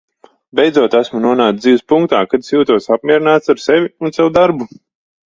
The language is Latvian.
Beidzot esmu nonācis dzīves punktā, kad es jūtos apmierināts ar sevi un savu darbu.